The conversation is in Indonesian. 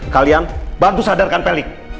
kalian bantu sadarkan pak riki